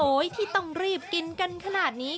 ที่ต้องรีบกินกันขนาดนี้